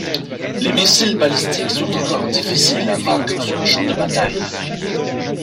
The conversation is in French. Les missiles balistiques sont encore difficiles à vaincre sur le champ de bataille.